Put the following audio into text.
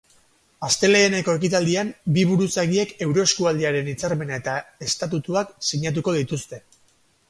Asteleheneko ekitaldian bi buruzagiek euroeskualdearen hitzarmena eta esatutuak sinatuko dituzte.